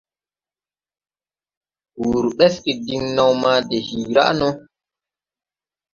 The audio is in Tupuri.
Wǔr ɓɛsge diŋ naw ma de hiiraʼ no.